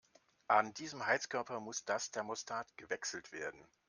An diesem Heizkörper muss das Thermostat gewechselt werden.